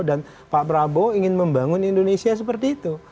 dan pak prabowo ingin membangun indonesia seperti itu